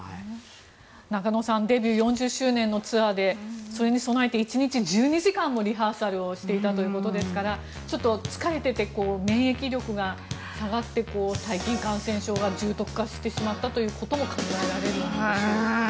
中野さんデビュー４０周年のツアーでそれに備えて１日１２時間もリハーサルをしていたということですからちょっと疲れていて免疫力が下がって細菌感染症が重篤化してしまったことも考えられるんでしょうか？